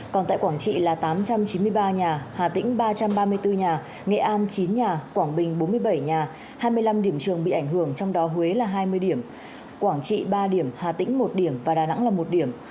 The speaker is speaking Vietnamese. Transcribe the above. còn tại quảng trị là tám trăm chín mươi ba nhà hà tĩnh ba trăm ba mươi bốn nhà nghệ an chín nhà quảng bình bốn mươi bảy nhà hai mươi năm điểm trường bị ảnh hưởng trong đó huế là hai mươi điểm quảng trị ba điểm hà tĩnh một điểm và đà nẵng là một điểm